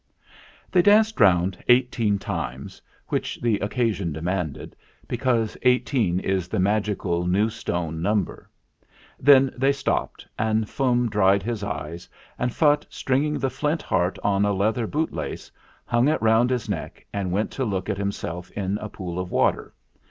" They danced round eighteen times, which the occasion demanded, because eighteen is the magical New Stone number. Then they stopped and Fum dried his eyes, and Phutt, stringing the Flint Heart on a leather bootlace, hung it round his neck and went to look at him self in a pool of water.